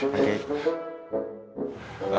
pak ei sehat